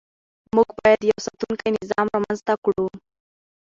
موږ باید یو ساتونکی نظام رامنځته کړو.